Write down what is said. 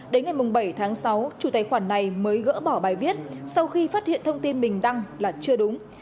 đến ngày bảy tháng sáu chủ tài khoản này mới gỡ bỏ bài viết sau khi phát hiện thông tin mình đăng là chưa đúng